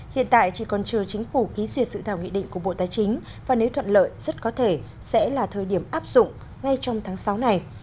hiện tại chỉ còn chưa chính phủ ký duyệt sự thảo nghị định của bộ tài chính và nếu thuận lợi rất có thể sẽ là thời điểm áp dụng ngay trong tháng sáu này